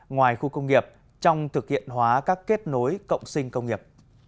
ngoài khu công nghiệp trong thực hiện hóa các kết nối cộng sinh công nghiệp